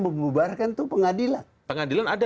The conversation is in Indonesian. membubarkan itu pengadilan pengadilan ada